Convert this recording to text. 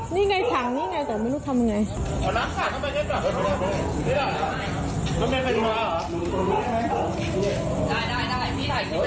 นี่ไงถังนี่ไงแต่ไม่รู้ทำไง